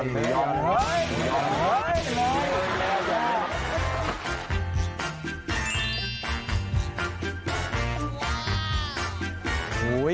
แม่งน้อย